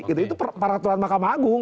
itu peraturan makamangu